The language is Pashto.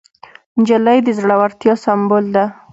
نجلۍ د زړورتیا سمبول ده.